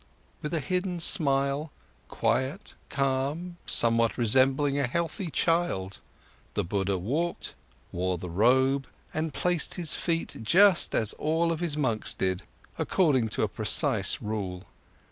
With a hidden smile, quiet, calm, somewhat resembling a healthy child, the Buddha walked, wore the robe and placed his feet just as all of his monks did, according to a precise rule.